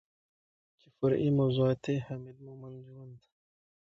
چې فرعي موضوعات يې حميد مومند ژوند